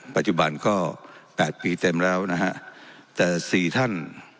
ปัจจุบันก็แปดปีเต็มแล้วนะฮะแต่สี่ท่าน